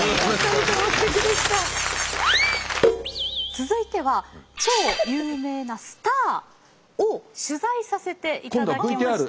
続いては超有名なスターを取材させていただきました。